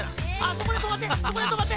そこでとまって！